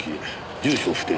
住所不定。